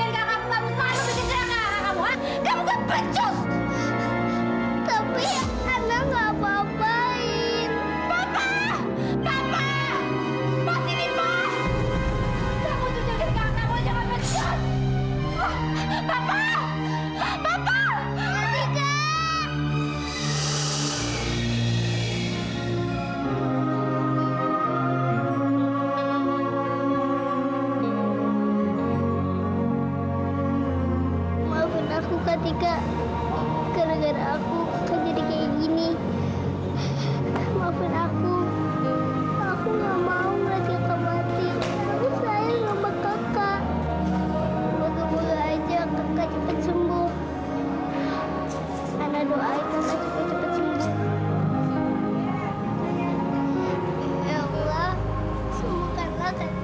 ya allah sembuhkanlah kakak kita ya allah